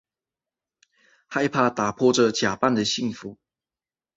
害怕打破这假扮的幸福